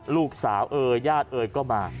ลูกสาวญาติก็มา